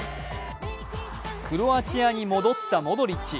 クロアチアに戻ったモドリッチ。